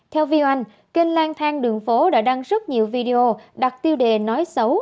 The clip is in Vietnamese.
theo vy oanh kênh lan thang đường phố đã đăng rất nhiều video đặt tiêu đề nói xấu